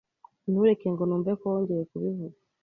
Ntureke ngo numve ko wongeye kubivuga.